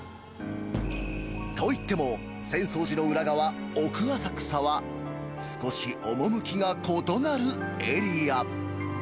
といっても、浅草寺の裏側、奥浅草は少し趣が異なるエリア。